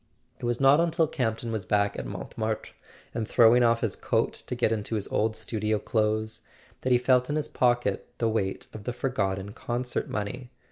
It was not until Camp ton was back at Montmartre, and throwing off his coat to get into his old studio clothes, that he felt in his pocket the weight of the forgotten concert money.